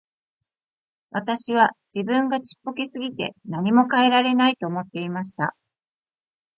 私は自分がちっぽけすぎて何も変えられないと思っていました。